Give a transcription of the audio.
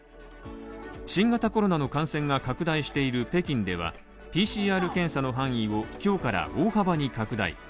新型コロナの感染が拡大している北京ではＰＣＲ検査の範囲を今日から大幅に拡大。